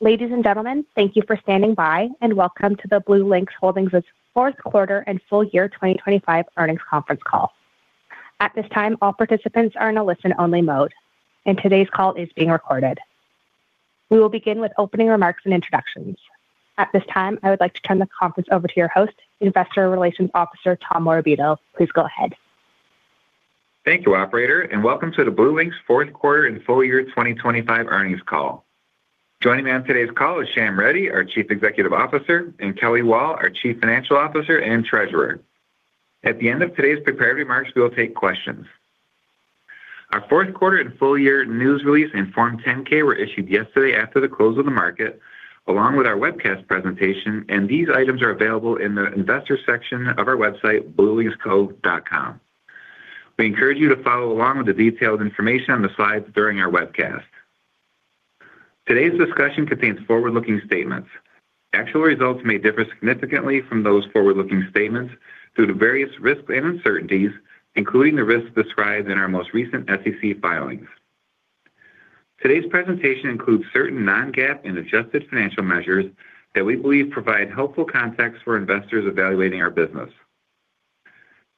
Ladies and gentlemen, thank you for standing by, and welcome to the BlueLinx Holdings' fourth quarter and full year 2025 earnings conference call. At this time, all participants are in a listen-only mode, and today's call is being recorded. We will begin with opening remarks and introductions. At this time, I would like to turn the conference over to your host, Investor Relations Officer, Tom Morabito. Please go ahead. Thank you, operator. Welcome to the BlueLinx fourth quarter and full year 2025 earnings call. Joining me on today's call is Shyam Reddy, our Chief Executive Officer, and Kelly Wall, our Chief Financial Officer and Treasurer. At the end of today's prepared remarks, we will take questions. Our fourth quarter and full year news release and Form 10-K were issued yesterday after the close of the market, along with our webcast presentation. These items are available in the investor section of our website, bluelinxco.com. We encourage you to follow along with the detailed information on the slides during our webcast. Today's discussion contains forward-looking statements. Actual results may differ significantly from those forward-looking statements due to various risks and uncertainties, including the risks described in our most recent SEC filings. Today's presentation includes certain non-GAAP and adjusted financial measures that we believe provide helpful context for investors evaluating our business.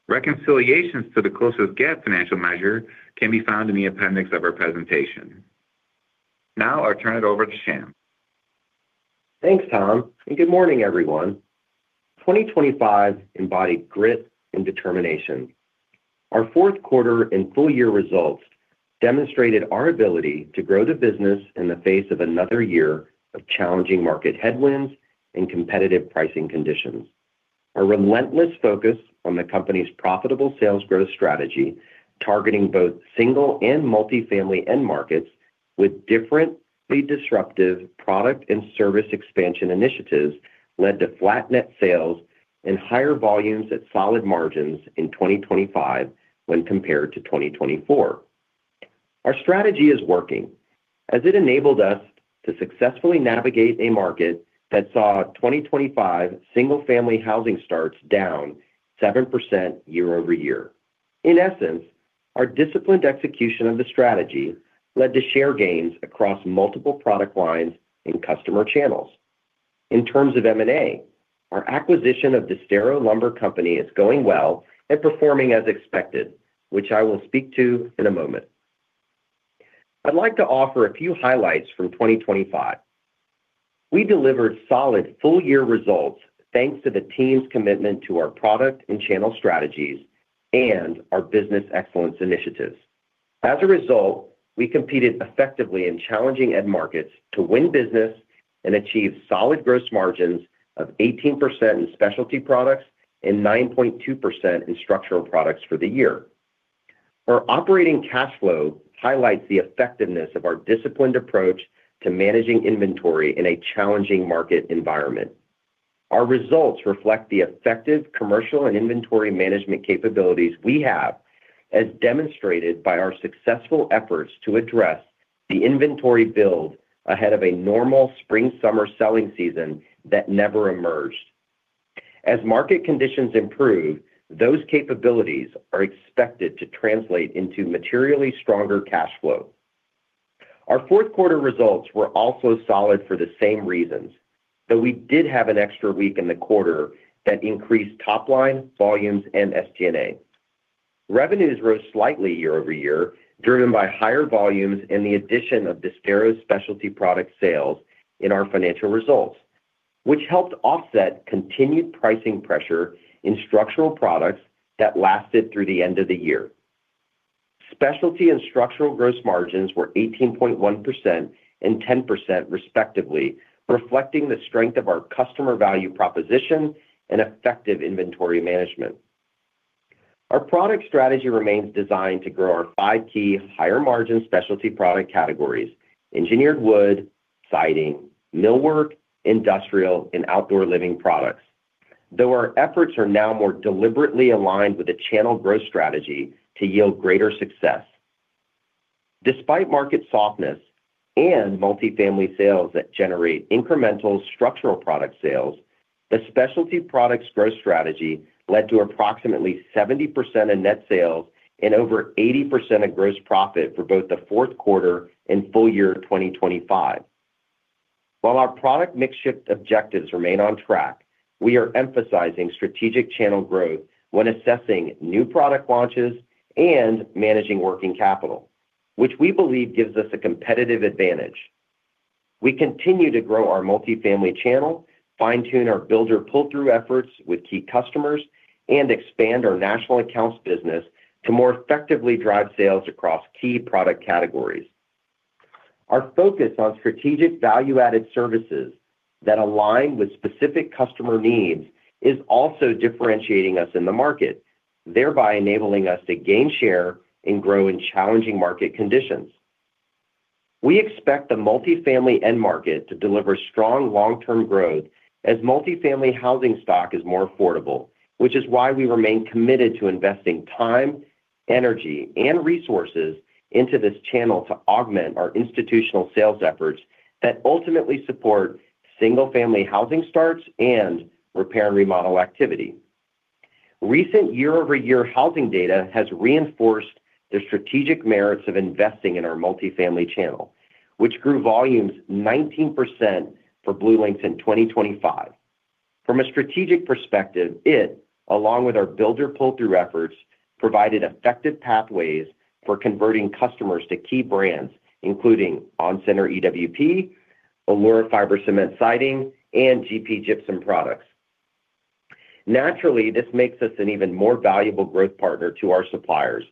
Reconciliations to the closest GAAP financial measure can be found in the appendix of our presentation. I'll turn it over to Shyam. Thanks, Tom, and good morning, everyone. 2025 embodied grit and determination. Our fourth quarter and full year results demonstrated our ability to grow the business in the face of another year of challenging market headwinds and competitive pricing conditions. Our relentless focus on the company's profitable sales growth strategy, targeting both single and multi-family end markets with differently disruptive product and service expansion initiatives, led to flat net sales and higher volumes at solid margins in 2025 when compared to 2024. Our strategy is working, as it enabled us to successfully navigate a market that saw 2025 single-family housing starts down 7% year-over-year. In essence, our disciplined execution of the strategy led to share gains across multiple product lines and customer channels. In terms of M&A, our acquisition of the Disdero Lumber Co. is going well and performing as expected, which I will speak to in a moment. I'd like to offer a few highlights from 2025. We delivered solid full-year results, thanks to the team's commitment to our product and channel strategies and our business excellence initiatives. As a result, we competed effectively in challenging end markets to win business and achieve solid gross margins of 18% in specialty products and 9.2% in structural products for the year. Our operating cash flow highlights the effectiveness of our disciplined approach to managing inventory in a challenging market environment. Our results reflect the effective commercial and inventory management capabilities we have, as demonstrated by our successful efforts to address the inventory build ahead of a normal spring-summer selling season that never emerged. As market conditions improve, those capabilities are expected to translate into materially stronger cash flow. Our fourth quarter results were also solid for the same reasons, though we did have an extra week in the quarter that increased top line, volumes, and SG&A. Revenues grew slightly year-over-year, driven by higher volumes and the addition of Disdero's specialty product sales in our financial results, which helped offset continued pricing pressure in structural products that lasted through the end of the year. Specialty and structural gross margins were 18.1% and 10%, respectively, reflecting the strength of our customer value proposition and effective inventory management. Our product strategy remains designed to grow our five key higher-margin specialty product categories: engineered wood, siding, millwork, industrial, and outdoor living products. Our efforts are now more deliberately aligned with a channel growth strategy to yield greater success. Despite market softness and multifamily sales that generate incremental structural product sales, the specialty products growth strategy led to approximately 70% of net sales and over 80% of gross profit for both the fourth quarter and full year 2025. While our product mix shift objectives remain on track, we are emphasizing strategic channel growth when assessing new product launches and managing working capital, which we believe gives us a competitive advantage. We continue to grow our multifamily channel, fine-tune our builder pull-through efforts with key customers, and expand our national accounts business to more effectively drive sales across key product categories. Our focus on strategic value-added services that align with specific customer needs is also differentiating us in the market, thereby enabling us to gain share and grow in challenging market conditions. We expect the multifamily end market to deliver strong long-term growth as multifamily housing stock is more affordable, which is why we remain committed to investing time, energy, and resources into this channel to augment our institutional sales efforts that ultimately support single-family housing starts and repair and remodel activity. Recent year-over-year housing data has reinforced the strategic merits of investing in our multifamily channel, which grew volumes 19% for BlueLinx in 2025. From a strategic perspective, it, along with our builder pull-through efforts, provided effective pathways for converting customers to key brands, including onCENTER EWP, Allura Fiber Cement Siding, and GP Gypsum products. Naturally, this makes us an even more valuable growth partner to our suppliers,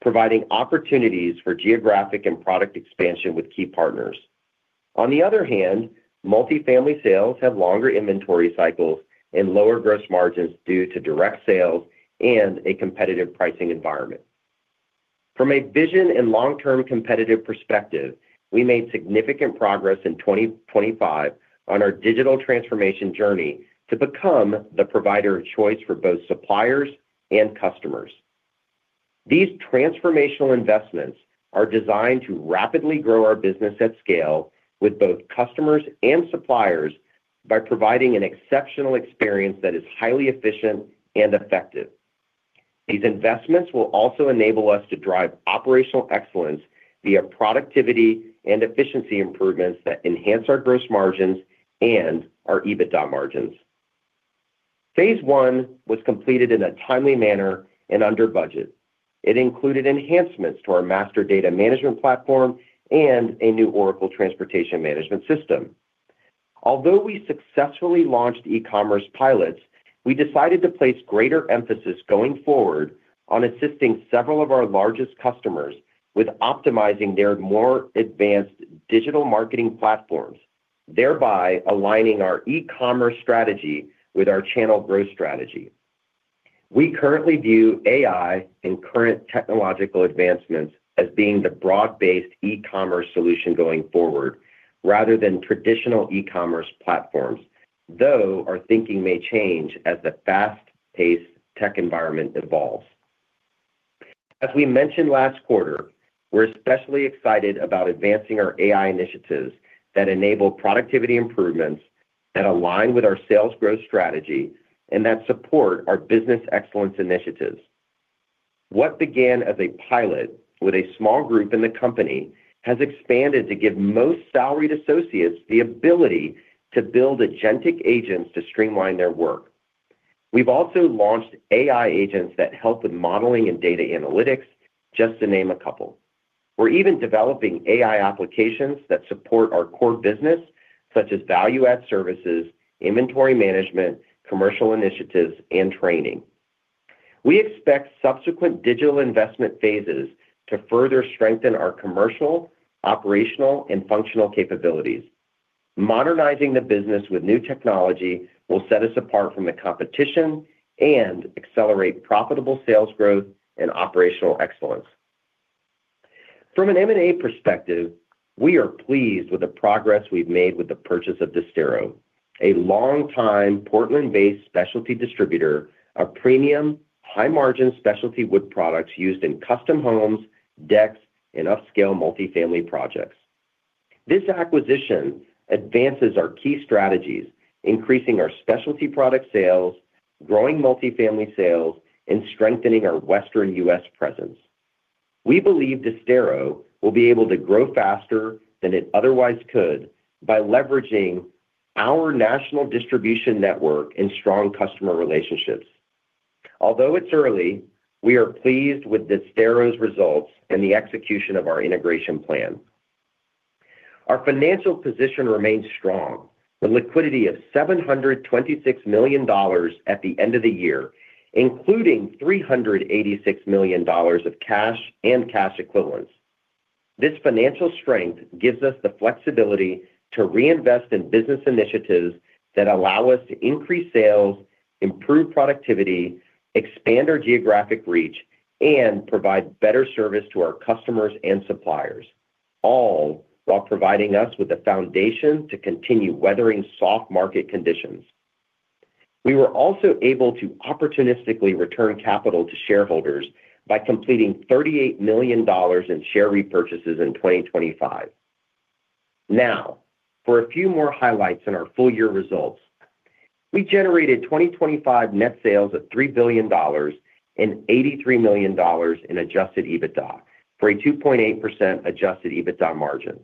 providing opportunities for geographic and product expansion with key partners. On the other hand, multifamily sales have longer inventory cycles and lower gross margins due to direct sales and a competitive pricing environment. From a vision and long-term competitive perspective, we made significant progress in 2025 on our digital transformation journey to become the provider of choice for both suppliers and customers. These transformational investments are designed to rapidly grow our business at scale with both customers and suppliers by providing an exceptional experience that is highly efficient and effective. These investments will also enable us to drive operational excellence via productivity and efficiency improvements that enhance our gross margins and our EBITDA margins. Phase I was completed in a timely manner and under budget. It included enhancements to our master data management platform and a new Oracle Transportation Management system. Although we successfully launched e-commerce pilots, we decided to place greater emphasis going forward on assisting several of our largest customers with optimizing their more advanced digital marketing platforms, thereby aligning our e-commerce strategy with our channel growth strategy. We currently view AI and current technological advancements as being the broad-based e-commerce solution going forward, rather than traditional e-commerce platforms, though our thinking may change as the fast-paced tech environment evolves. As we mentioned last quarter, we're especially excited about advancing our AI initiatives that enable productivity improvements that align with our sales growth strategy and that support our business excellence initiatives. What began as a pilot with a small group in the company has expanded to give most salaried associates the ability to build agentic agents to streamline their work. We've also launched AI agents that help with modeling and data analytics, just to name a couple. We're even developing AI applications that support our core business, such as value-add services, inventory management, commercial initiatives, and training. We expect subsequent digital investment phases to further strengthen our commercial, operational, and functional capabilities. Modernizing the business with new technology will set us apart from the competition and accelerate profitable sales growth and operational excellence. From an M&A perspective, we are pleased with the progress we've made with the purchase of Disdero, a long-time Portland-based specialty distributor of premium, high-margin specialty wood products used in custom homes, decks, and upscale multifamily projects. This acquisition advances our key strategies, increasing our specialty product sales, growing multifamily sales, and strengthening our Western U.S. presence. We believe Disdero will be able to grow faster than it otherwise could by leveraging our national distribution network and strong customer relationships. Although it's early, we are pleased with Disdero's results and the execution of our integration plan. Our financial position remains strong, with liquidity of $726 million at the end of the year, including $386 million of cash and cash equivalents. This financial strength gives us the flexibility to reinvest in business initiatives that allow us to increase sales, improve productivity, expand our geographic reach, and provide better service to our customers and suppliers, all while providing us with a foundation to continue weathering soft market conditions. We were also able to opportunistically return capital to shareholders by completing $38 million in share repurchases in 2025. For a few more highlights in our full year results. We generated 2025 net sales of $3 billion and $83 million in adjusted EBITDA, for a 2.8% adjusted EBITDA margin.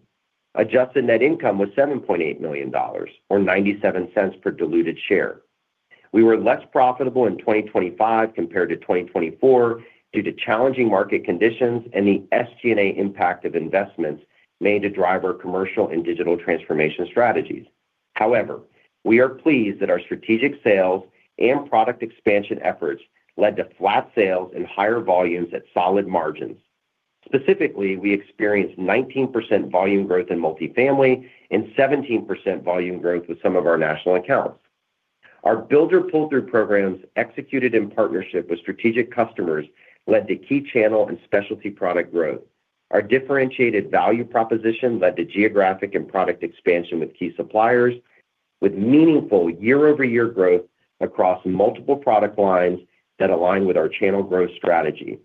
Adjusted net income was $7.8 million, or $0.97 per diluted share. We were less profitable in 2025 compared to 2024 due to challenging market conditions and the SG&A impact of investments made to drive our commercial and digital transformation strategies. However, we are pleased that our strategic sales and product expansion efforts led to flat sales and higher volumes at solid margins. Specifically, we experienced 19% volume growth in multifamily and 17% volume growth with some of our national accounts. Our builder pull-through programs, executed in partnership with strategic customers, led to key channel and specialty product growth. Our differentiated value proposition led to geographic and product expansion with key suppliers, with meaningful year-over-year growth across multiple product lines that align with our channel growth strategy.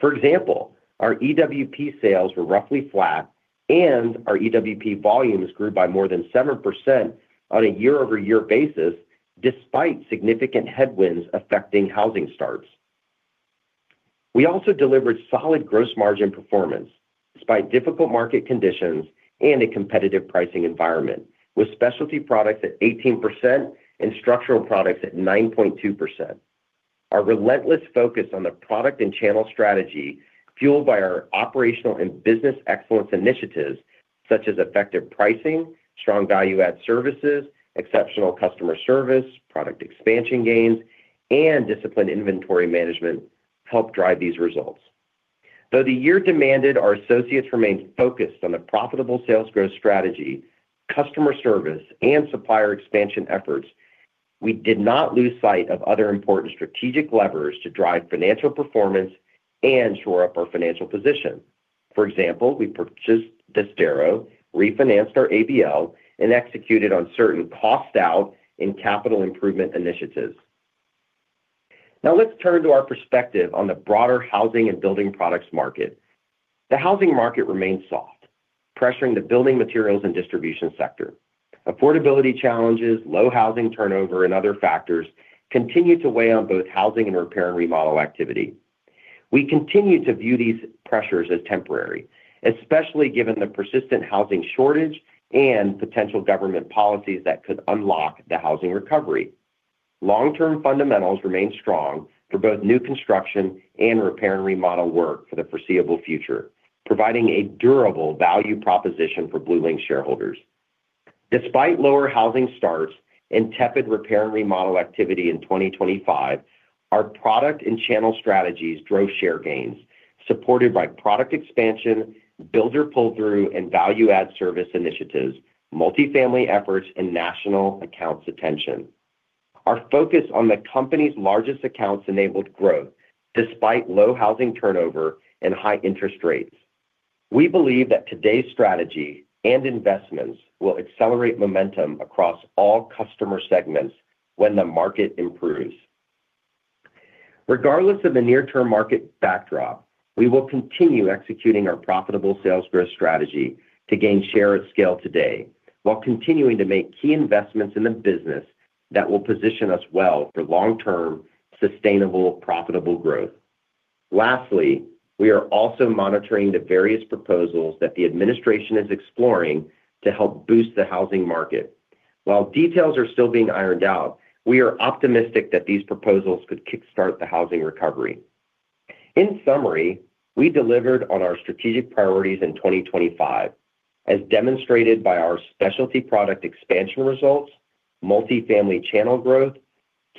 For example, our EWP sales were roughly flat, and our EWP volumes grew by more than 7% on a year-over-year basis, despite significant headwinds affecting housing starts. We also delivered solid gross margin performance, despite difficult market conditions and a competitive pricing environment, with specialty products at 18% and structural products at 9.2%. Our relentless focus on the product and channel strategy, fueled by our operational and business excellence initiatives, such as effective pricing, strong value-add services, exceptional customer service, product expansion gains, and disciplined inventory management, helped drive these results. Though the year demanded our associates remained focused on the profitable sales growth strategy, customer service, and supplier expansion efforts, we did not lose sight of other important strategic levers to drive financial performance and shore up our financial position. For example, we purchased Disdero, refinanced our ABL, and executed on certain cost out in capital improvement initiatives. Now, let's turn to our perspective on the broader housing and building products market. The housing market remains soft, pressuring the building materials and distribution sector. Affordability challenges, low housing turnover, and other factors continue to weigh on both housing and repair and remodel activity. We continue to view these pressures as temporary, especially given the persistent housing shortage and potential government policies that could unlock the housing recovery. Long-term fundamentals remain strong for both new construction and repair and remodel work for the foreseeable future, providing a durable value proposition for BlueLinx shareholders. Despite lower housing starts and tepid repair and remodel activity in 2025, our product and channel strategies drove share gains, supported by product expansion, builder pull-through, and value add service initiatives, multifamily efforts, and national accounts attention. Our focus on the company's largest accounts enabled growth despite low housing turnover and high interest rates. We believe that today's strategy and investments will accelerate momentum across all customer segments when the market improves. Regardless of the near-term market backdrop, we will continue executing our profitable sales growth strategy to gain share at scale today, while continuing to make key investments in the business that will position us well for long-term, sustainable, profitable growth. Lastly, we are also monitoring the various proposals that the administration is exploring to help boost the housing market. While details are still being ironed out, we are optimistic that these proposals could kickstart the housing recovery. In summary, we delivered on our strategic priorities in 2025, as demonstrated by our specialty product expansion results, multifamily channel growth,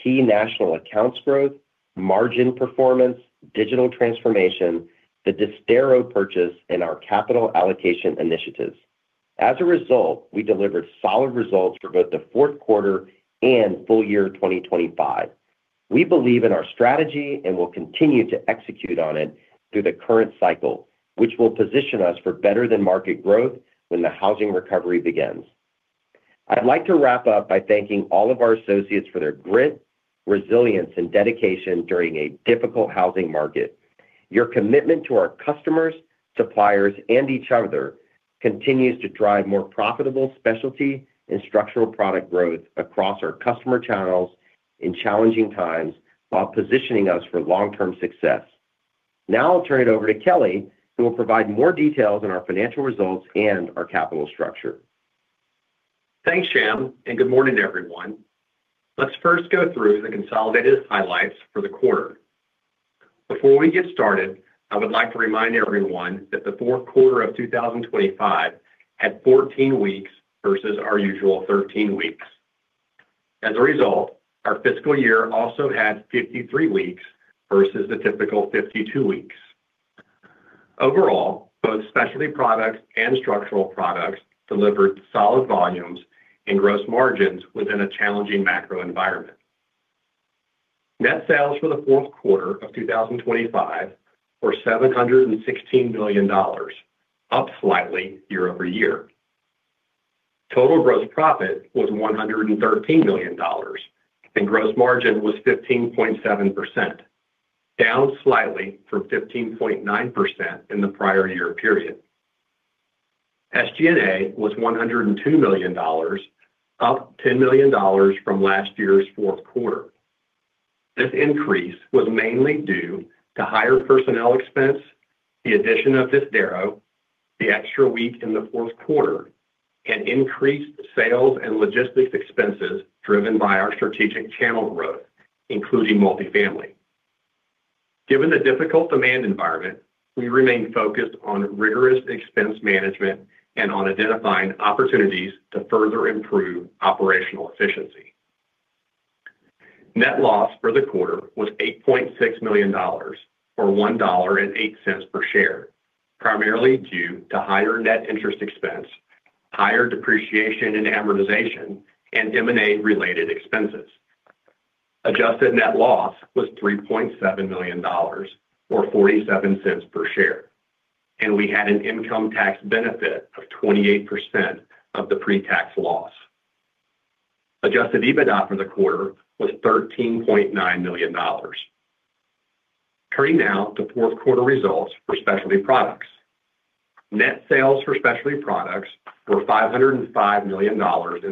key national accounts growth, margin performance, digital transformation, the Disdero purchase, and our capital allocation initiatives. We delivered solid results for both the fourth quarter and full year 2025. We believe in our strategy and will continue to execute on it through the current cycle, which will position us for better than market growth when the housing recovery begins. I'd like to wrap up by thanking all of our associates for their grit, resilience, and dedication during a difficult housing market. Your commitment to our customers, suppliers, and each other continues to drive more profitable specialty and structural product growth across our customer channels in challenging times, while positioning us for long-term success. I'll turn it over to Kelly, who will provide more details on our financial results and our capital structure. Thanks, Shyam, and good morning, everyone. Let's first go through the consolidated highlights for the quarter. Before we get started, I would like to remind everyone that the fourth quarter of 2025 had 14 weeks versus our usual 13 weeks. As a result, our fiscal year also had 53 weeks versus the typical 52 weeks. Overall, both specialty products and structural products delivered solid volumes and gross margins within a challenging macro environment. Net sales for the fourth quarter of 2025 were $716 million, up slightly year-over-year. Total gross profit was $113 million, and gross margin was 15.7%, down slightly from 15.9% in the prior year period. SG&A was $102 million, up $10 million from last year's fourth quarter. This increase was mainly due to higher personnel expense, the addition of Disdero, the extra week in the fourth quarter, and increased sales and logistics expenses driven by our strategic channel growth, including multifamily. Given the difficult demand environment, we remain focused on rigorous expense management and on identifying opportunities to further improve operational efficiency. Net loss for the quarter was $8.6 million, or $1.08 per share, primarily due to higher net interest expense, higher depreciation and amortization, and M&A-related expenses. Adjusted net loss was $3.7 million, or $0.47 per share, and we had an income tax benefit of 28% of the pre-tax loss. Adjusted EBITDA for the quarter was $13.9 million. Turning now to fourth quarter results for specialty products. Net sales for specialty products were $505 million in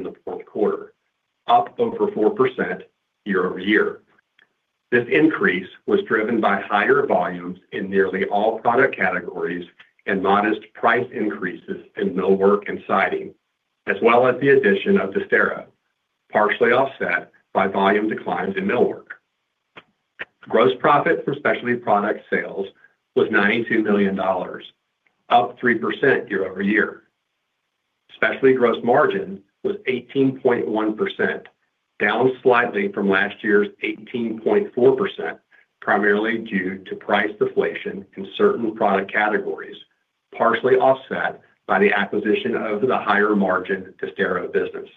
the fourth quarter, up over 4% year-over-year. This increase was driven by higher volumes in nearly all product categories and modest price increases in millwork and siding, as well as the addition of the Disdero, partially offset by volume declines in millwork. Gross profit for specialty product sales was $92 million, up 3% year-over-year. Specialty gross margin was 18.1%, down slightly from last year's 18.4%, primarily due to price deflation in certain product categories, partially offset by the acquisition of the higher-margin Disdero business.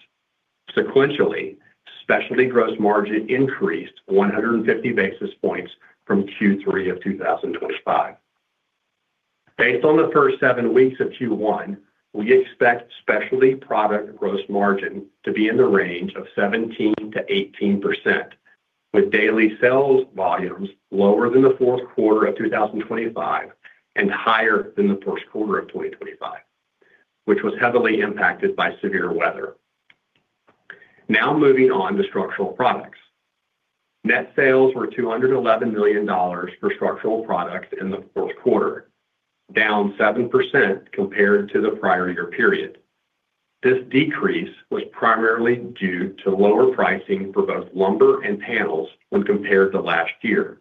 Sequentially, specialty gross margin increased 150 basis points from Q3 of 2025. Based on the first seven weeks of Q1, we expect specialty product gross margin to be in the range of 17%-18%, with daily sales volumes lower than the fourth quarter of 2025, and higher than the first quarter of 2025, which was heavily impacted by severe weather. Now moving on to structural products. Net sales were $211 million for structural products in the fourth quarter, down 7% compared to the prior year period. This decrease was primarily due to lower pricing for both lumber and panels when compared to last year,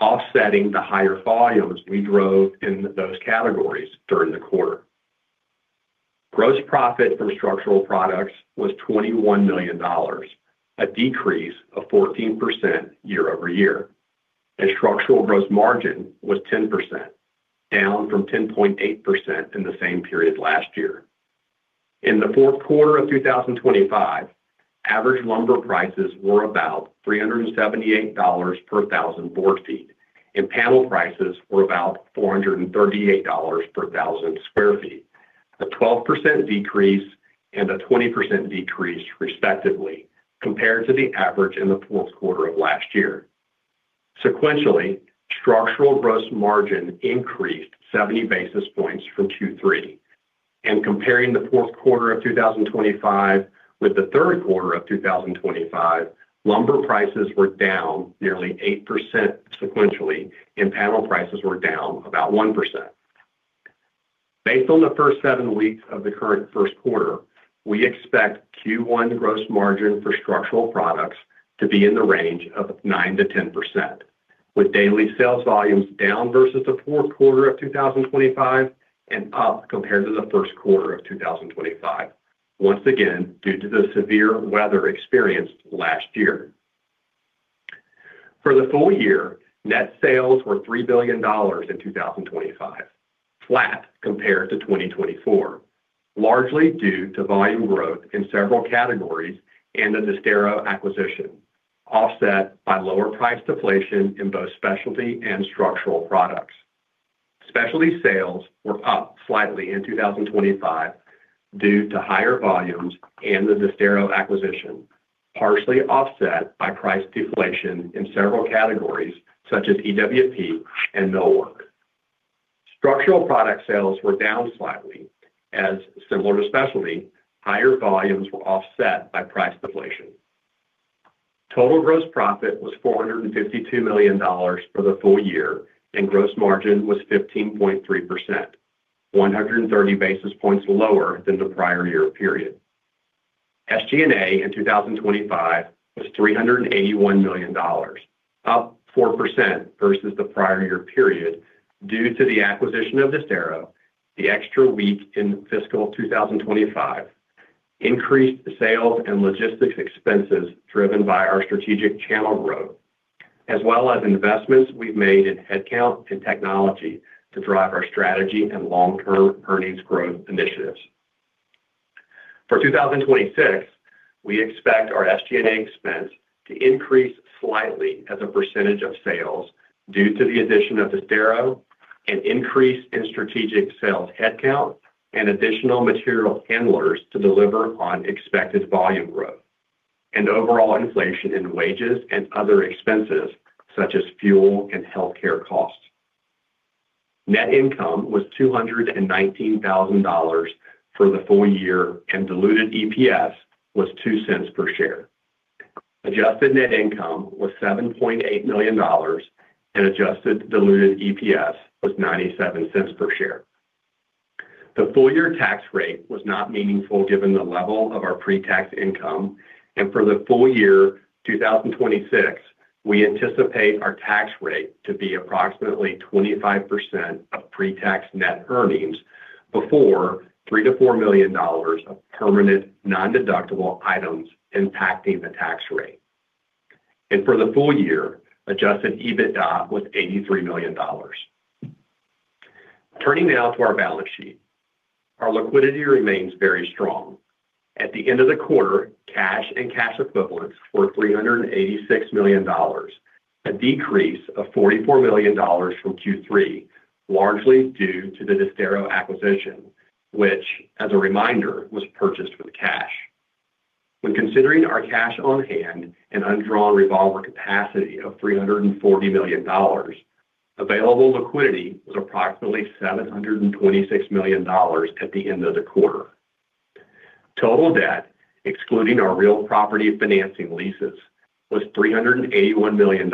offsetting the higher volumes we drove in those categories during the quarter. Gross profit from structural products was $21 million, a decrease of 14% year-over-year, and structural gross margin was 10%, down from 10.8 in the same period last year. In Q4 2025, average lumber prices were about $378 per 1,000 board feet, and panel prices were about $438 per 1,000 sq ft. A 12% decrease and a 20% decrease, respectively, compared to the average in Q4 of last year. Sequentially, structural gross margin increased 70 basis points from 2/3. Comparing Q4 2025 with Q3 2025, lumber prices were down nearly 8% sequentially, and panel prices were down about 1%. Based on the first seven weeks of the current first quarter, we expect Q1 gross margin for structural products to be in the range of 9%-10%, with daily sales volumes down versus the fourth quarter of 2025 and up compared to the first quarter of 2025, once again, due to the severe weather experienced last year. For the full year, net sales were $3 billion in 2025, flat compared to 2024, largely due to volume growth in several categories and the Disdero acquisition, offset by lower price deflation in both specialty and structural products. Specialty sales were up slightly in 2025 due to higher volumes and the Disdero acquisition, partially offset by price deflation in several categories, such as EWP and millwork. Structural product sales were down slightly, as similar to specialty, higher volumes were offset by price deflation. Total gross profit was $452 million for the full year, and gross margin was 15.3%, 130 basis points lower than the prior year period. SG&A in 2025 was $381 million, up 4% versus the prior year period, due to the acquisition of Disdero, the extra week in fiscal 2025, increased sales and logistics expenses driven by our strategic channel growth, as well as investments we've made in headcount and technology to drive our strategy and long-term earnings growth initiatives. For 2026, we expect our SG&A expense to increase slightly as a percentage of sales due to the addition of Disdero, an increase in strategic sales headcount, and additional material handlers to deliver on expected volume growth, and overall inflation in wages and other expenses, such as fuel and healthcare costs. Net income was $219,000 for the full year, and diluted EPS was $0.02 per share. Adjusted net income was $7.8 million, and adjusted diluted EPS was $0.97 per share. The full year tax rate was not meaningful given the level of our pre-tax income. For the full year 2026, we anticipate our tax rate to be approximately 25% of pre-tax net earnings before $3 million-$4 million of permanent, nondeductible items impacting the tax rate. For the full year, adjusted EBITDA was $83 million. Turning now to our balance sheet. Our liquidity remains very strong. At the end of the quarter, cash and cash equivalents were $386 million. A decrease of $44 million from Q3, largely due to the Disdero acquisition, which, as a reminder, was purchased with cash. When considering our cash on hand and undrawn revolver capacity of $340 million, available liquidity was approximately $726 million at the end of the quarter. Total debt, excluding our real property financing leases, was $381 million,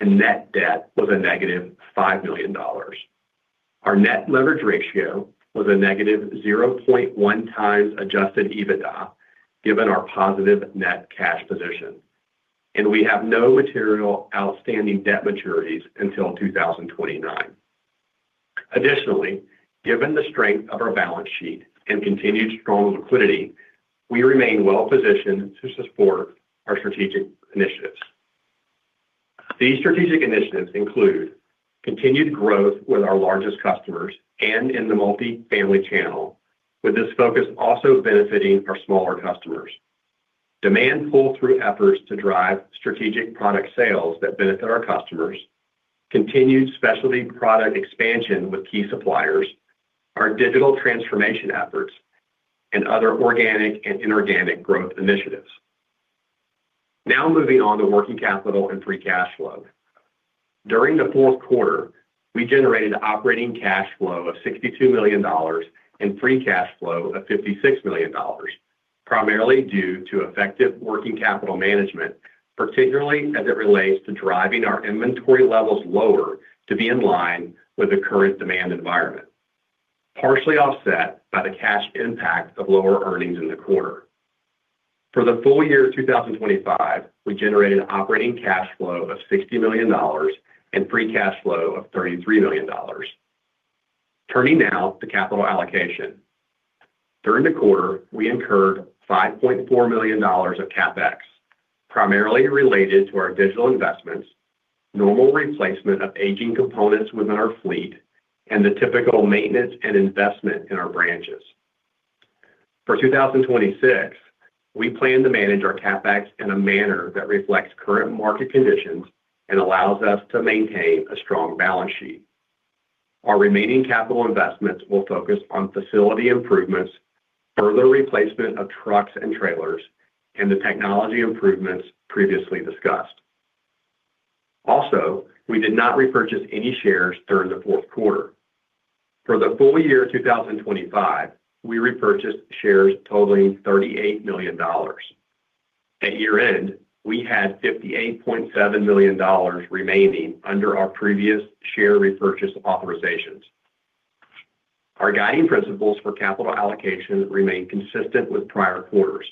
and net debt was a negative $5 million. Our net leverage ratio was a negative 0.1 times adjusted EBITDA, given our positive net cash position, and we have no material outstanding debt maturities until 2029. Additionally, given the strength of our balance sheet and continued strong liquidity, we remain well positioned to support our strategic initiatives. These strategic initiatives include continued growth with our largest customers and in the multifamily channel, with this focus also benefiting our smaller customers. Demand pull-through efforts to drive strategic product sales that benefit our customers, continued specialty product expansion with key suppliers, our digital transformation efforts, and other organic and inorganic growth initiatives. Now moving on to working capital and free cash flow. During the fourth quarter, we generated operating cash flow of $62 million and free cash flow of $56 million, primarily due to effective working capital management, particularly as it relates to driving our inventory levels lower to be in line with the current demand environment, partially offset by the cash impact of lower earnings in the quarter. For the full year 2025, we generated operating cash flow of $60 million and free cash flow of $33 million. Turning now to capital allocation. During the quarter, we incurred $5.4 million of CapEx, primarily related to our digital investments, normal replacement of aging components within our fleet, and the typical maintenance and investment in our branches. For 2026, we plan to manage our CapEx in a manner that reflects current market conditions and allows us to maintain a strong balance sheet. Our remaining capital investments will focus on facility improvements, further replacement of trucks and trailers, and the technology improvements previously discussed. Also, we did not repurchase any shares during the fourth quarter. For the full year 2025, we repurchased shares totaling $38 million. At year-end, we had $58.7 million remaining under our previous share repurchase authorizations. Our guiding principles for capital allocation remain consistent with prior quarters.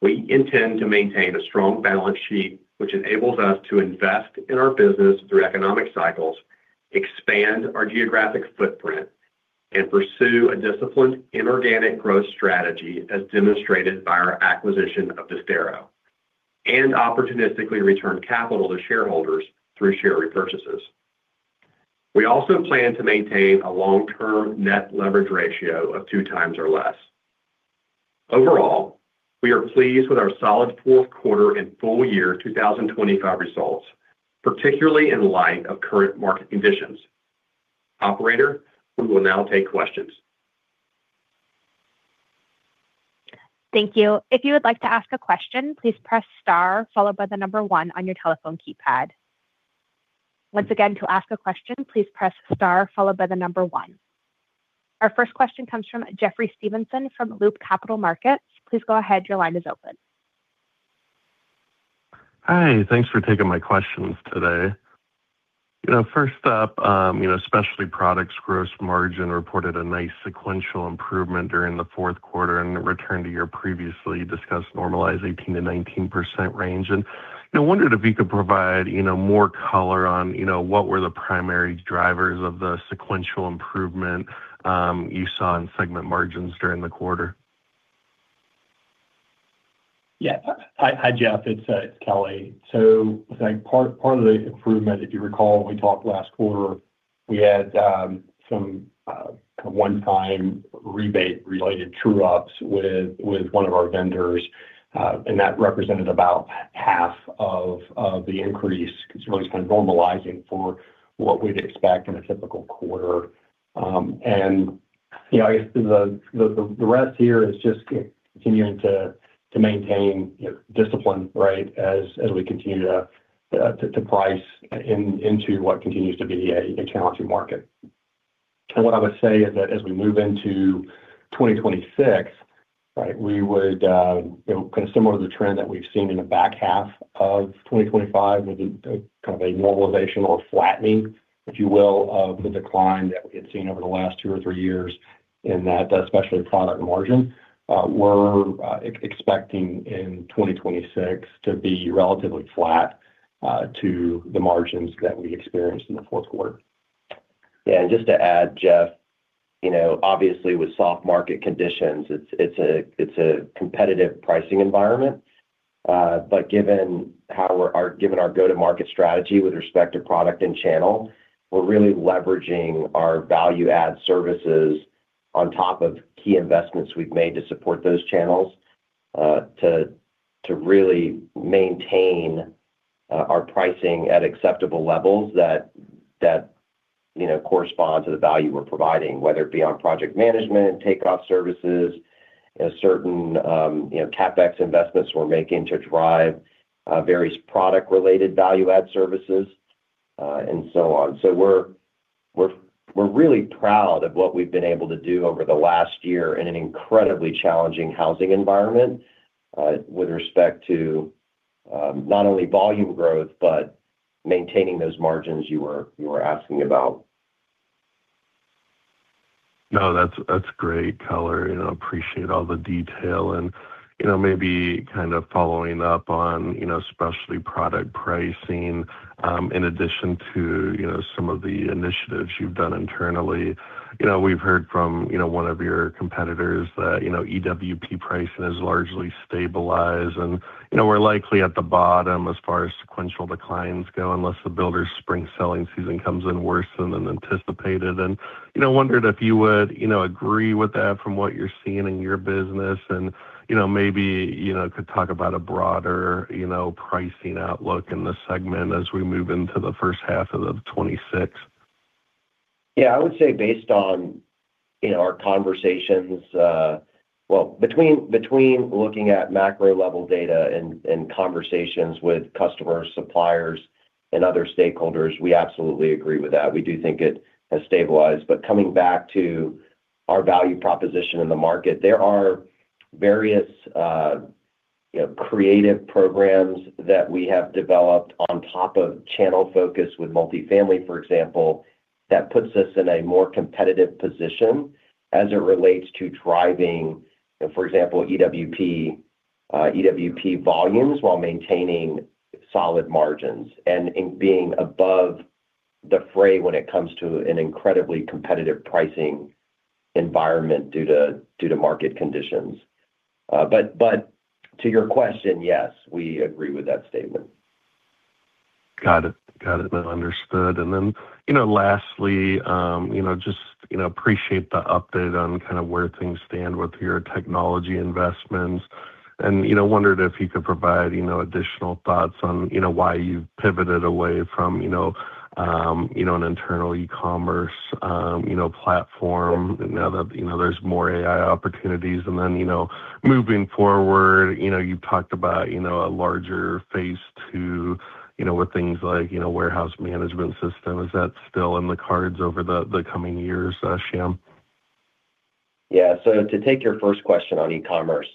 We intend to maintain a strong balance sheet, which enables us to invest in our business through economic cycles, expand our geographic footprint, and pursue a disciplined inorganic growth strategy, as demonstrated by our acquisition of Disdero, and opportunistically return capital to shareholders through share repurchases. We also plan to maintain a long-term net leverage ratio of 2x or less. Overall, we are pleased with our solid fourth quarter and full year 2025 results, particularly in light of current market conditions. Operator, we will now take questions. Thank you. If you would like to ask a question, please press star followed by the number one on your telephone keypad. Once again, to ask a question, please press star followed by the number one. Our first question comes from Jeffrey Stevenson from Loop Capital Markets. Please go ahead. Your line is open. Hi, thanks for taking my questions today. You know, first up, you know, Specialty Products gross margin reported a nice sequential improvement during the fourth quarter and a return to your previously discussed normalized 18%-19% range. I wondered if you could provide, you know, more color on, you know, what were the primary drivers of the sequential improvement, you saw in segment margins during the quarter? Yeah. Hi, Jeff, it's Kelly. I think part of the improvement, if you recall, when we talked last quarter, we had some kind of one-time rebate-related true-ups with one of our vendors, and that represented about half of the increase. It's really kind of normalizing for what we'd expect in a typical quarter. You know, I guess the rest here is just continuing to maintain discipline, right? As we continue to price in, into what continues to be a challenging market. What I would say is that as we move into 2026, right, we would, you know, kind of similar to the trend that we've seen in the back half of 2025, with a kind of a normalization or flattening, if you will, of the decline that we had seen over the last two or three years in that specialty product margin. We're expecting in 2026 to be relatively flat to the margins that we experienced in the fourth quarter. Just to add, Jeff, you know, obviously with soft market conditions, it's a competitive pricing environment. But given our go-to-market strategy with respect to product and channel, we're really leveraging our value add services on top of key investments we've made to support those channels.... to really maintain our pricing at acceptable levels that, you know, correspond to the value we're providing, whether it be on project management and takeoff services and certain, you know, CapEx investments we're making to drive various product-related value-add services, and so on. We're really proud of what we've been able to do over the last year in an incredibly challenging housing environment with respect to not only volume growth, but maintaining those margins you were asking about. No, that's great, color. You know, appreciate all the detail and, you know, maybe kind of following up on, you know, especially product pricing, in addition to, you know, some of the initiatives you've done internally. You know, we've heard from, you know, one of your competitors that, you know, EWP pricing has largely stabilized and, you know, we're likely at the bottom as far as sequential declines go, unless the builder's spring selling season comes in worse than anticipated. You know, wondered if you would, you know, agree with that from what you're seeing in your business and, you know, maybe, you know, could talk about a broader, you know, pricing outlook in the segment as we move into the first half of 2026. Yeah, I would say based on, you know, our conversations. Well, between looking at macro level data and conversations with customers, suppliers, and other stakeholders, we absolutely agree with that. We do think it has stabilized. Coming back to our value proposition in the market, there are various, you know, creative programs that we have developed on top of channel focus with multifamily, for example, that puts us in a more competitive position as it relates to driving, for example, EWP volumes while maintaining solid margins and being above the fray when it comes to an incredibly competitive pricing environment due to market conditions. To your question, yes, we agree with that statement. Got it, man. Understood. Then, you know, lastly, you know, just, you know, appreciate the update on kind of where things stand with your technology investments and, you know, wondered if you could provide, you know, additional thoughts on, you know, why you pivoted away from, you know, an internal e-commerce, you know, platform now that, you know, there's more AI opportunities. Then, you know, moving forward, you know, you talked about, you know, a larger phase II, you know, with things like, you know, warehouse management system. Is that still in the cards over the coming years, Shyam? To take your first question on e-commerce,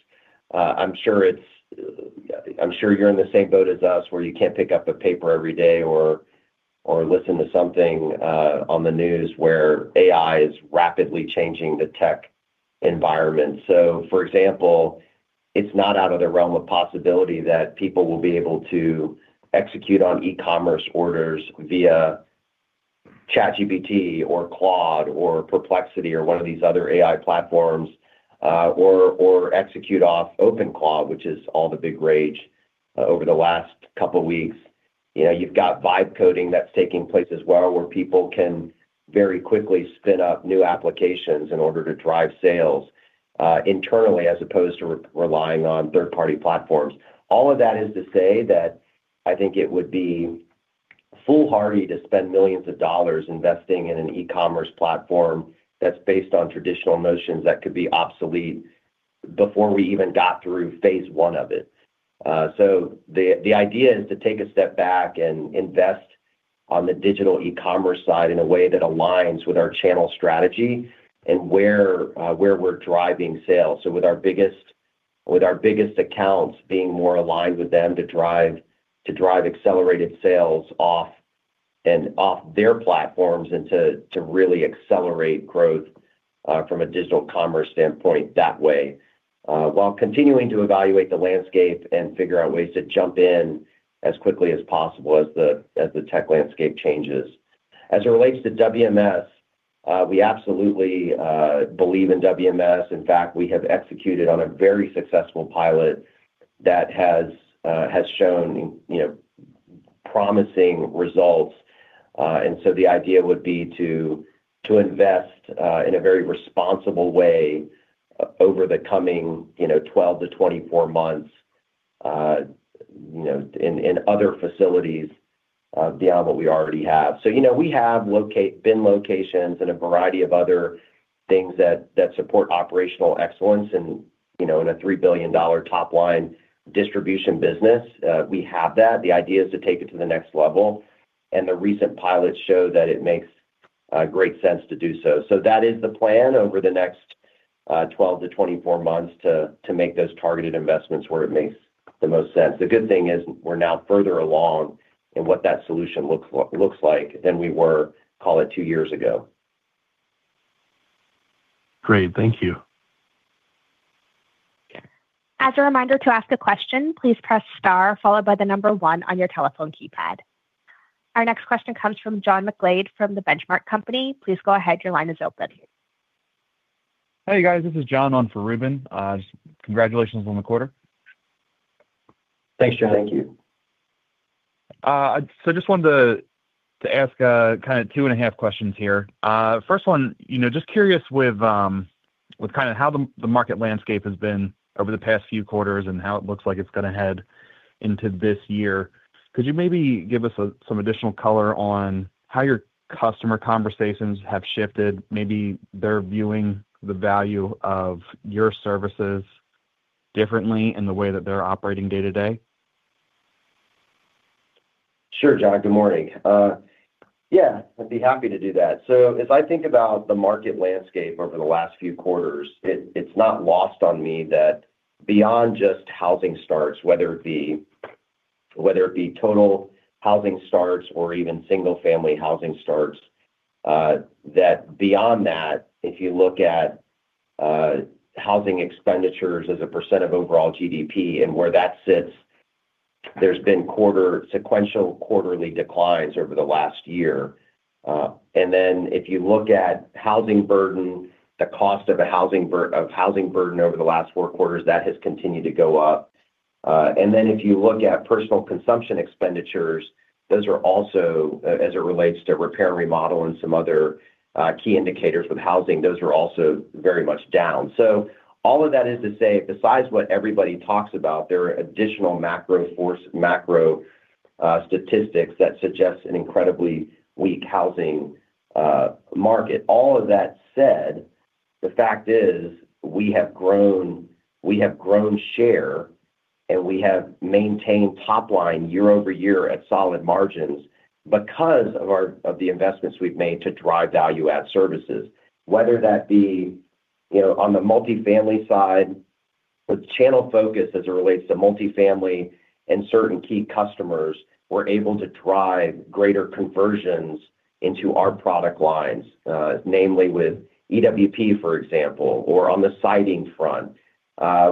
I'm sure you're in the same boat as us, where you can't pick up a paper every day or listen to something on the news where AI is rapidly changing the tech environment. For example, it's not out of the realm of possibility that people will be able to execute on e-commerce orders via ChatGPT, or Claude, or Perplexity, or one of these other AI platforms, or execute off OpenCloud, which is all the big rage over the last couple weeks. You know, you've got vibe coding that's taking place as well, where people can very quickly spin up new applications in order to drive sales internally, as opposed to relying on third-party platforms. All of that is to say that I think it would be foolhardy to spend millions of dollars investing in an e-commerce platform that's based on traditional notions that could be obsolete before we even got through phase I of it. The idea is to take a step back and invest on the digital e-commerce side in a way that aligns with our channel strategy and where we're driving sales. With our biggest accounts, being more aligned with them to drive accelerated sales off and off their platforms and to really accelerate growth from a digital commerce standpoint that way, while continuing to evaluate the landscape and figure out ways to jump in as quickly as possible as the tech landscape changes. As it relates to WMS, we absolutely believe in WMS. In fact, we have executed on a very successful pilot that has shown, you know, promising results. The idea would be to invest in a very responsible way over the coming, you know, 12-24 months, you know, in other facilities beyond what we already have. You know, we have bin locations and a variety of other things that support operational excellence and, you know, in a $3 billion top-line distribution business, we have that. The idea is to take it to the next level, and the recent pilots show that it makes great sense to do so. That is the plan over the next 12-24 months, to make those targeted investments where it makes the most sense. The good thing is we're now further along in what that solution looks like than we were, call it two years ago. Great. Thank you. As a reminder to ask a question, please press star followed by one on your telephone keypad. Our next question comes from John McGlade from The Benchmark Company. Please go ahead. Your line is open. Hey, guys, this is John on for Reuben. Congratulations on the quarter. Thanks, John. Thank you. I just wanted to ask, kind of two and a half questions here. First one, you know, just curious with how the market landscape has been over the past few quarters and how it looks like it's going to head into this year. Could you maybe give us some additional color on how your customer conversations have shifted? Maybe they're viewing the value of your services differently in the way that they're operating day-to-day. Sure, John. Good morning. Yeah, I'd be happy to do that. As I think about the market landscape over the last few quarters, it's not lost on me that beyond just housing starts, whether it be total housing starts or even single-family housing starts, that beyond that, if you look at housing expenditures as a % of overall GDP and where that sits, there's been sequential quarterly declines over the last year. If you look at housing burden, the cost of a housing burden over the last four quarters, that has continued to go up. If you look at personal consumption expenditures, those are also, as it relates to repair and remodel and some other key indicators with housing, those are also very much down. All of that is to say, besides what everybody talks about, there are additional macro force, macro statistics that suggest an incredibly weak housing market. All of that said, the fact is we have grown, we have grown share, and we have maintained top line year-over-year at solid margins because of the investments we've made to drive value add services. Whether that be, you know, on the multifamily side, with channel focus as it relates to multifamily and certain key customers, we're able to drive greater conversions into our product lines, namely with EWP, for example, or on the siding front.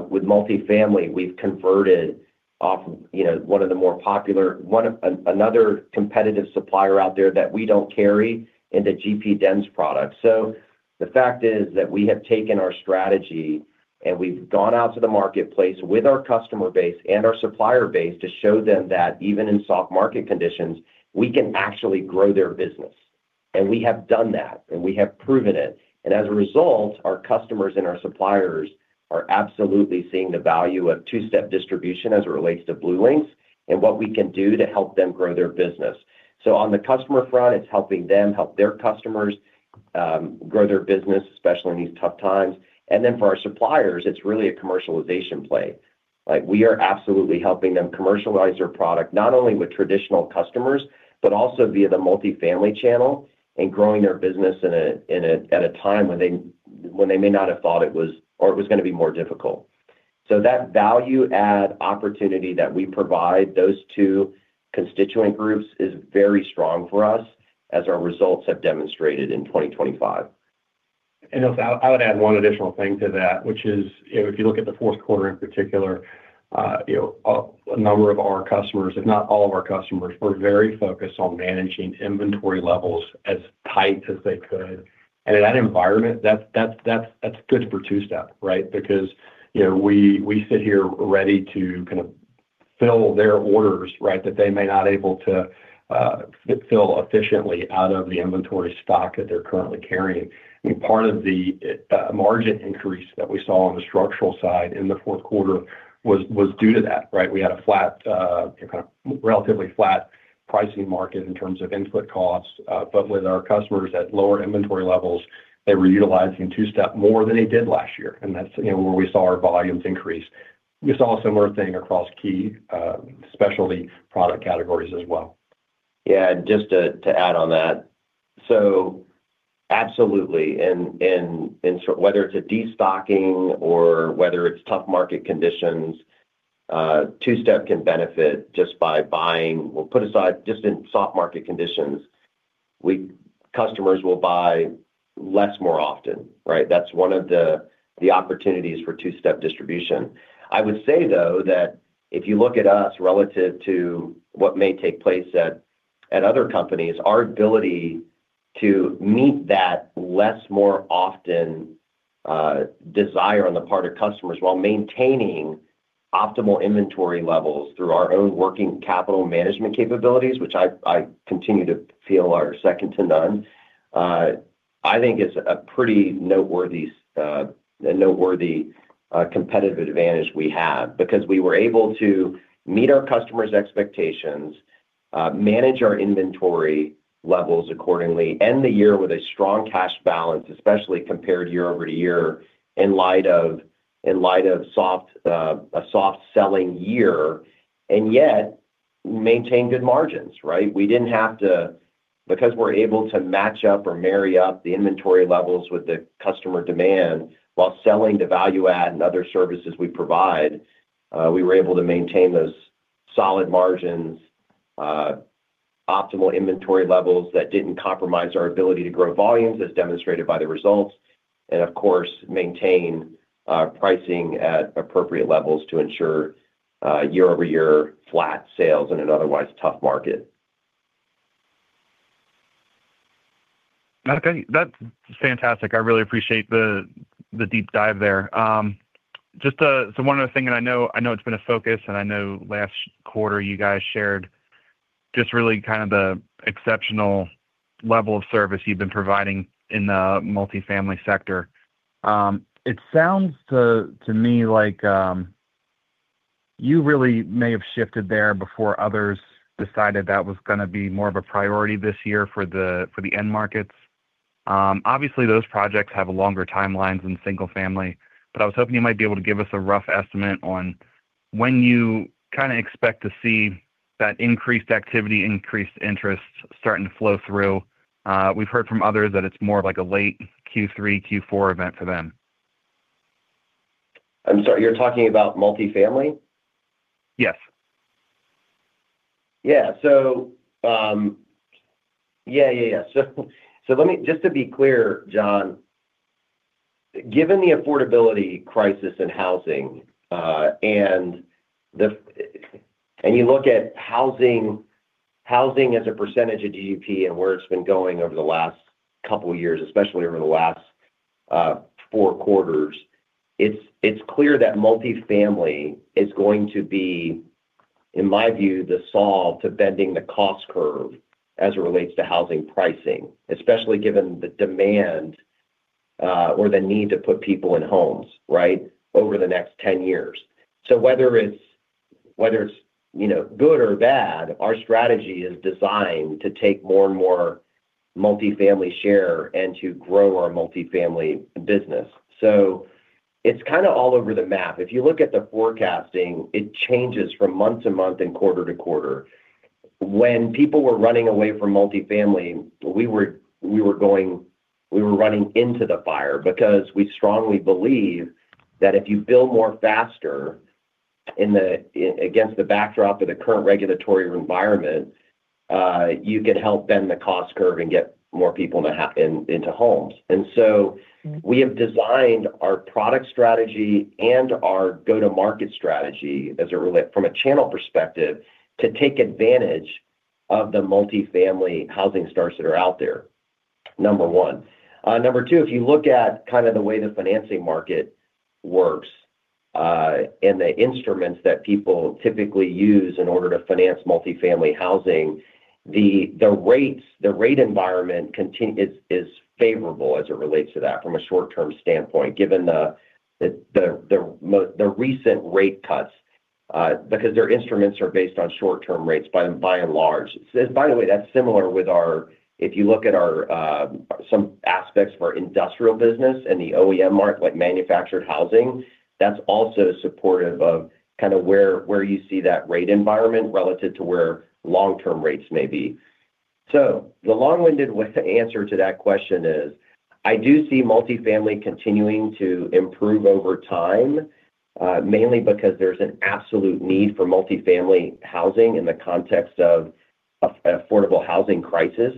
With multifamily, we've converted off, you know, one of the more popular another competitive supplier out there that we don't carry into GP Dens product. The fact is that we have taken our strategy, and we've gone out to the marketplace with our customer base and our supplier base to show them that even in soft market conditions, we can actually grow their business. We have done that, and we have proven it. As a result, our customers and our suppliers are absolutely seeing the value of Two-step distribution as it relates to BlueLinx and what we can do to help them grow their business. On the customer front, it's helping them help their customers grow their business, especially in these tough times. For our suppliers, it's really a commercialization play. Like, we are absolutely helping them commercialize their product, not only with traditional customers, but also via the multifamily channel and growing their business at a time when they may not have thought it was or it was gonna be more difficult. That value add opportunity that we provide, those two constituent groups is very strong for us, as our results have demonstrated in 2025. Also, I would add one additional thing to that, which is, you know, if you look at the fourth quarter in particular, you know, a number of our customers, if not all of our customers, were very focused on managing inventory levels as tight as they could. In that environment, that's good for Two-Step, right? Because, you know, we sit here ready to kind of fill their orders, right, that they may not able to fill efficiently out of the inventory stock that they're currently carrying. I mean, part of the margin increase that we saw on the structural side in the fourth quarter was due to that, right? We had a flat, kind of relatively flat pricing market in terms of input costs, but with our customers at lower inventory levels, they were utilizing Two-Step more than they did last year, and that's, you know, where we saw our volumes increase. We saw a similar thing across key, specialty product categories as well. Yeah, just to add on that: Absolutely, whether it's a destocking or whether it's tough market conditions, Two-step can benefit. Well, put aside, just in soft market conditions, customers will buy less more often, right? That's one of the opportunities for Two-step distribution. I would say, though, that if you look at us relative to what may take place at other companies, our ability to meet that less more often, desire on the part of customers while maintaining optimal inventory levels through our own working capital management capabilities, which I continue to feel are second to none, I think is a pretty noteworthy competitive advantage we have. Because we were able to meet our customers' expectations, manage our inventory levels accordingly, end the year with a strong cash balance, especially compared year-over-year, in light of soft, a soft selling year, and yet maintain good margins, right? Because we're able to match up or marry up the inventory levels with the customer demand while selling the value add and other services we provide, we were able to maintain those solid margins, optimal inventory levels that didn't compromise our ability to grow volumes, as demonstrated by the results, and of course, maintain our pricing at appropriate levels to ensure, year-over-year flat sales in an otherwise tough market. Okay, that's fantastic. I really appreciate the deep dive there. Just one other thing, I know it's been a focus, and I know last quarter you guys shared just really kind of the exceptional level of service you've been providing in the multifamily sector. It sounds to me like you really may have shifted there before others decided that was gonna be more of a priority this year for the end markets. Obviously, those projects have longer timelines than single family, but I was hoping you might be able to give us a rough estimate on when you kinda expect to see that increased activity, increased interest starting to flow through. We've heard from others that it's more of like a late Q3, Q4 event for them. I'm sorry, you're talking about multifamily? Yes. Just to be clear, John, given the affordability crisis in housing, and you look at housing as a percentage of GDP and where it's been going over the last couple of years, especially over the last four quarters, it's clear that multifamily is going to be, in my view, the solve to bending the cost curve as it relates to housing pricing, especially given the demand, or the need to put people in homes, right, over the next 10 years. Whether it's, you know, good or bad, our strategy is designed to take more and more multifamily share and to grow our multifamily business. It's kinda all over the map. If you look at the forecasting, it changes from month to month and quarter to quarter. When people were running away from multifamily, we were running into the fire because we strongly believe that if you build more faster in the against the backdrop of the current regulatory environment, you can help bend the cost curve and get more people into homes. We have designed our product strategy and our go-to-market strategy as it relate from a channel perspective, to take advantage of the multifamily housing starts that are out there, number one. Number two, if you look at kind of the way the financing market works, and the instruments that people typically use in order to finance multifamily housing, the rates, the rate environment is favorable as it relates to that from a short-term standpoint, given the recent rate cuts, because their instruments are based on short-term rates by and large. By the way, that's similar with our if you look at our, some aspects of our industrial business and the OEM market, like manufactured housing, that's also supportive of kind of where you see that rate environment relative to where long-term rates may be. The long-winded way to answer to that question is, I do see multifamily continuing to improve over time, mainly because there's an absolute need for multifamily housing in the context of affordable housing crisis,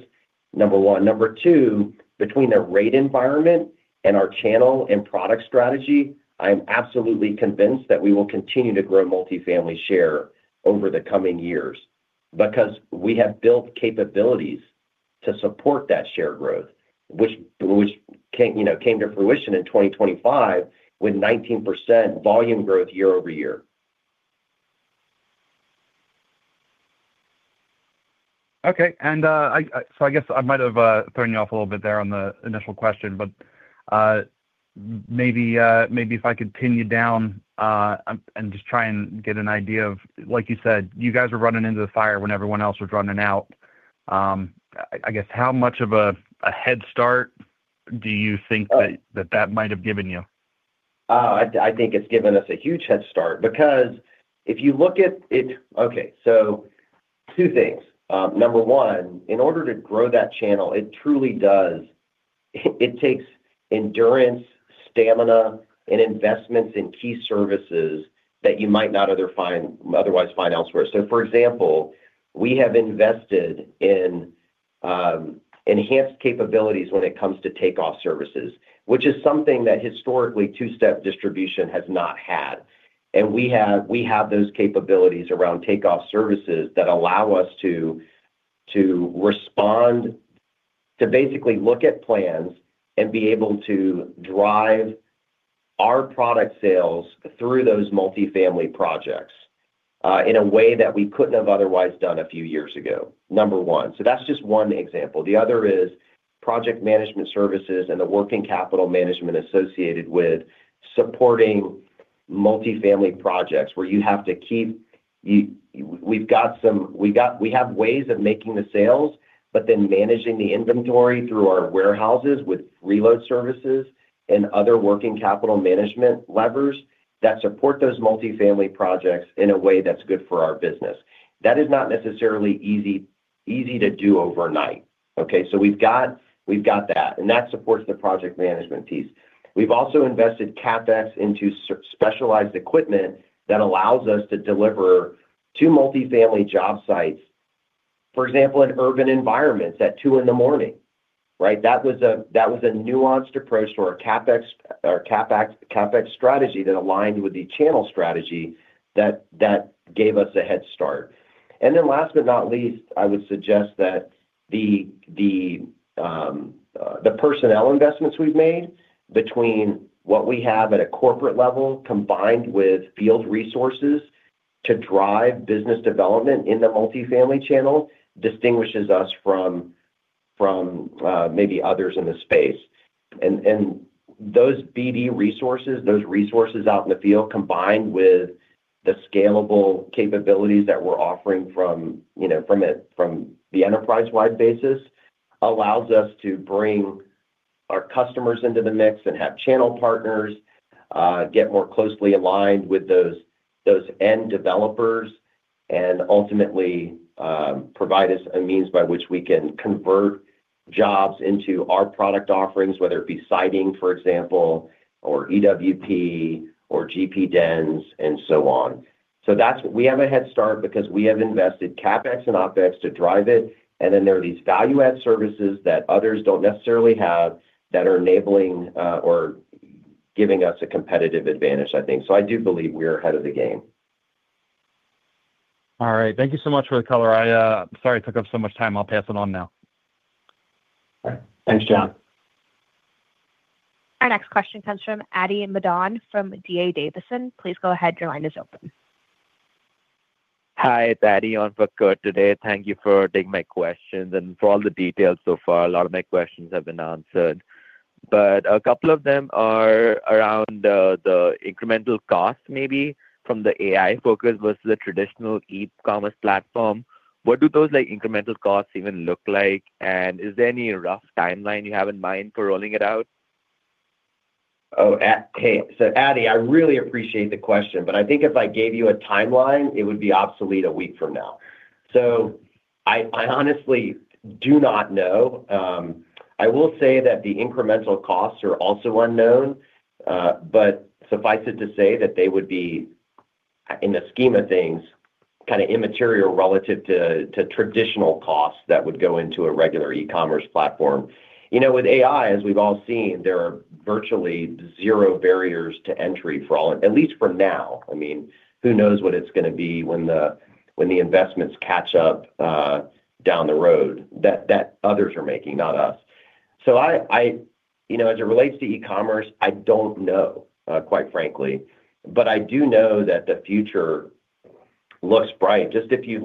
number one. Number two, between the rate environment and our channel and product strategy, I'm absolutely convinced that we will continue to grow multifamily share over the coming years because we have built capabilities to support that share growth, which, you know, came to fruition in 2025, with 19% volume growth year-over-year. Okay. I guess I might have thrown you off a little bit there on the initial question, but maybe if I continue down and just try and get an idea of... Like you said, you guys were running into the fire when everyone else was running out. I guess how much of a head start do you think? Oh that might have given you? I think it's given us a huge head start because if you look at it. Two things. number one, in order to grow that channel, it truly does, it takes endurance, stamina, and investments in key services that you might not otherwise find elsewhere. For example, we have invested in enhanced capabilities when it comes to takeoff services, which is something that historically two-step distribution has not had. We have those capabilities around takeoff services that allow us to respond, to basically look at plans and be able to drive our product sales through those multifamily projects, in a way that we couldn't have otherwise done a few years ago, number one. That's just one example. The other is project management services and the working capital management associated with supporting multifamily projects, where you have to keep. We have ways of making the sales, but then managing the inventory through our warehouses with reload services and other working capital management levers that support those multifamily projects in a way that's good for our business. That is not necessarily easy to do overnight, okay? We've got that, and that supports the project management piece. We've also invested CapEx into specialized equipment that allows us to deliver to multifamily job sites, for example, in urban environments at two in the morning, right? That was a nuanced approach to our CapEx strategy that aligned with the channel strategy that gave us a head start. Last but not least, I would suggest that the personnel investments we've made between what we have at a corporate level, combined with field resources to drive business development in the multifamily channel, distinguishes us from maybe others in the space. Those BD resources, those resources out in the field, combined with the scalable capabilities that we're offering from the enterprise-wide basis, allows us to bring our customers into the mix and have channel partners get more closely aligned with those end developers, and ultimately provide us a means by which we can convert jobs into our product offerings, whether it be siding for example, or EWP, or GP Dens, and so on. That's we have a head start because we have invested CapEx and OpEx to drive it, and then there are these value-add services that others don't necessarily have, that are enabling, or giving us a competitive advantage, I think. I do believe we're ahead of the game. All right. Thank you so much for the color. I, sorry I took up so much time. I'll pass it on now. Thanks, John. Our next question comes from Aditya Madan, from D.A. Davidson. Please go ahead, your line is open. Hi, it's Adi on for Kurt today. Thank you for taking my questions and for all the details so far, a lot of my questions have been answered. A couple of them are around the incremental cost, maybe from the AI focus versus the traditional e-commerce platform. What do those incremental costs even look like? Is there any rough timeline you have in mind for rolling it out? Hey, Adi, I really appreciate the question, but I think if I gave you a timeline, it would be obsolete a week from now. I honestly do not know. I will say that the incremental costs are also unknown, but suffice it to say that they would be, in the scheme of things, kind of immaterial relative to traditional costs that would go into a regular e-commerce platform. You know, with AI, as we've all seen, there are virtually zero barriers to entry for all... At least for now. I mean, who knows what it's gonna be when the investments catch up down the road, that others are making, not us. I, you know, as it relates to e-commerce, I don't know, quite frankly. I do know that the future looks bright. Just if you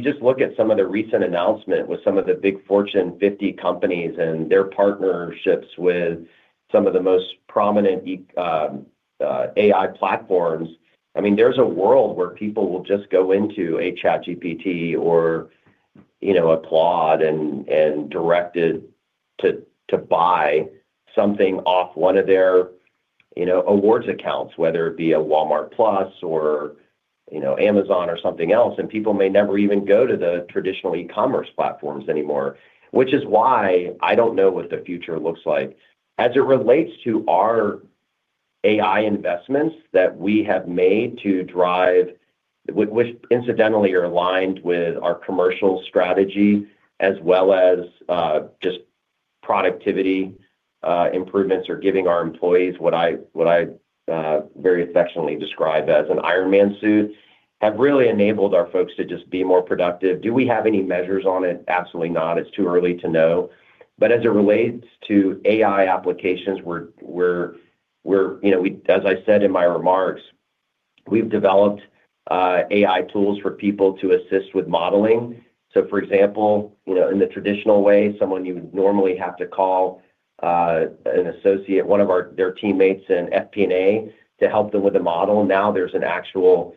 just look at some of the recent announcement with some of the big Fortune 50 companies and their partnerships with some of the most prominent AI platforms, I mean, there's a world where people will just go into a ChatGPT or, you know, Claude and direct it to buy something off one of their, you know, awards accounts, whether it be a Walmart+ or, you know, Amazon or something else, and people may never even go to the traditional e-commerce platforms anymore. I don't know what the future looks like. As it relates to our AI investments that we have made to drive, which incidentally are aligned with our commercial strategy as well as, just productivity, improvements or giving our employees what I, what I, very affectionately describe as an Ironman suit, have really enabled our folks to just be more productive. Do we have any measures on it? Absolutely not. It's too early to know. As it relates to AI applications, we're, you know, as I said in my remarks, we've developed AI tools for people to assist with modeling. For example, you know, in the traditional way, someone you would normally have to call an associate, their teammates in FP&A, to help them with a model. There's an actual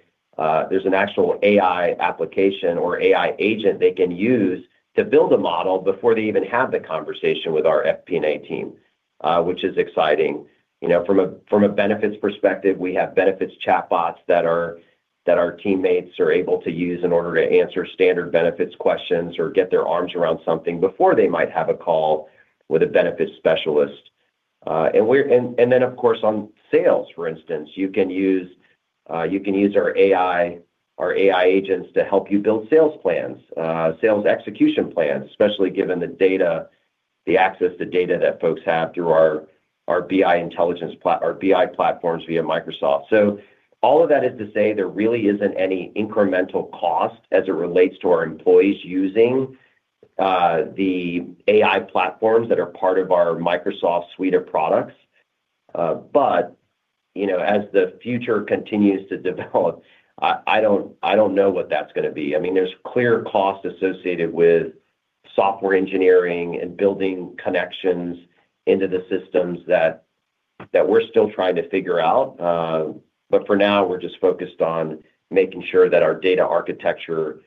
AI application or AI agent they can use to build a model before they even have the conversation with our FP&A team, which is exciting. You know, from a benefits perspective, we have benefits chatbots that our teammates are able to use in order to answer standard benefits questions or get their arms around something before they might have a call with a benefit specialist. Of course, on sales, for instance, you can use our AI agents to help you build sales plans, sales execution plans, especially given the data, the access to data that folks have through our BI intelligence platforms via Microsoft. All of that is to say there really isn't any incremental cost as it relates to our employees using the AI platforms that are part of our Microsoft suite of products, but, you know, as the future continues to develop, I don't know what that's gonna be. I mean, there's clear costs associated with software engineering and building connections into the systems that we're still trying to figure out, but for now, we're just focused on making sure that our data architecture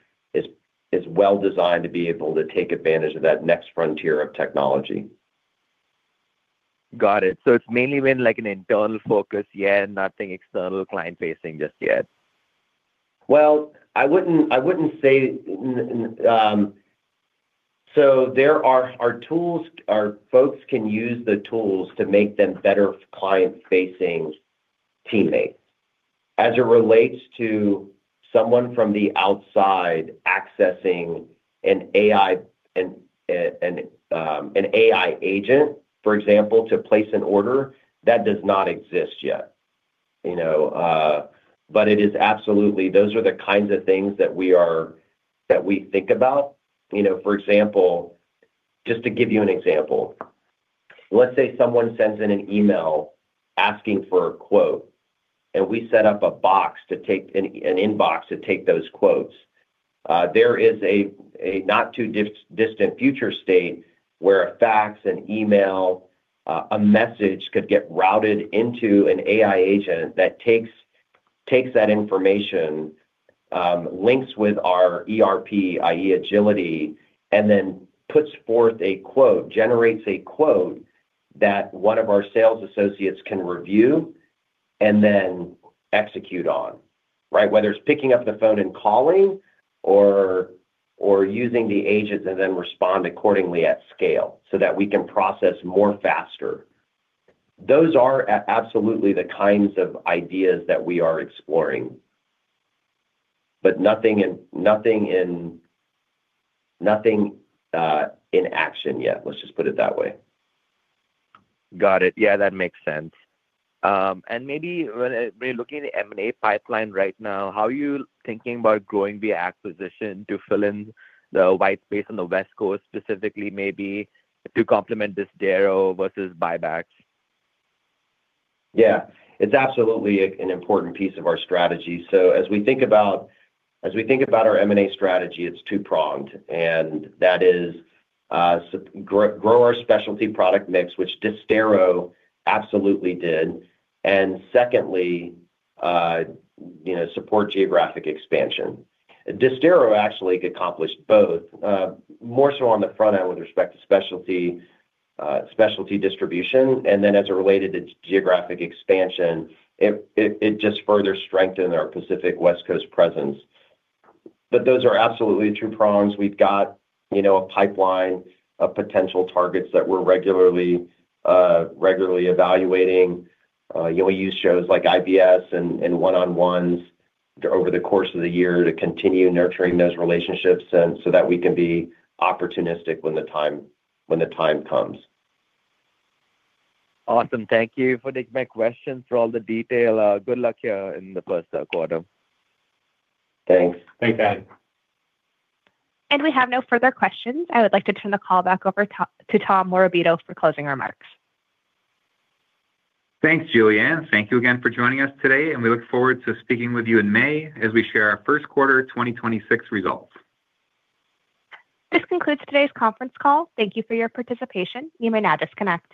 is well-designed to be able to take advantage of that next frontier of technology. Got it. It's mainly been, like, an internal focus, yeah, nothing external client-facing just yet? I wouldn't say. Our folks can use the tools to make them better client-facing teammates. As it relates to someone from the outside accessing an AI agent, for example, to place an order, that does not exist yet, you know? It is absolutely, those are the kinds of things that we think about. You know, for example, just to give you an example, let's say someone sends in an email asking for a quote, and we set up a box to take an inbox to take those quotes. There is a not too distant future state where a fax, an email, a message could get routed into an AI agent that takes that information, links with our ERP, IE Agility, and then puts forth a quote, generates a quote that one of our sales associates can review and then execute on, right? Whether it's picking up the phone and calling or using the agent and then respond accordingly at scale so that we can process more faster. Those are absolutely the kinds of ideas that we are exploring. Nothing in, nothing in, nothing in action yet. Let's just put it that way. Got it. Yeah, that makes sense. Maybe when we're looking at the M&A pipeline right now, how are you thinking about growing the acquisition to fill in the white space on the West Coast, specifically maybe to complement Disdero versus buybacks? Yeah, it's absolutely an important piece of our strategy. As we think about our M&A strategy, it's two-pronged, and that is, so grow our specialty product mix, which Disdero absolutely did, and secondly, you know, support geographic expansion. Disdero actually accomplished both, more so on the front end with respect to specialty distribution, and then as it related to geographic expansion, it just further strengthened our Pacific West Coast presence. Those are absolutely two prongs. We've got, you know, a pipeline of potential targets that we're regularly evaluating. You know, we use shows like IBS and one-on-ones over the course of the year to continue nurturing those relationships and so that we can be opportunistic when the time comes. Awesome. Thank you for taking my question, for all the detail. Good luck in the first quarter. Thanks. Thanks, Adi. We have no further questions. I would like to turn the call back over to Tom Morabito for closing remarks. Thanks, Julianne. Thank you again for joining us today, and we look forward to speaking with you in May as we share our first quarter 2026 results. This concludes today's conference call. Thank you for your participation. You may now disconnect.